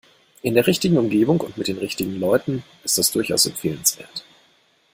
In der richtigen Umgebung und mit den richtigen Leuten ist das durchaus empfehlenswert.